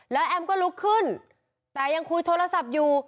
แล้วแอมก็ลุกขึ้นแต่ยังคุยโทรศัพท์อยู่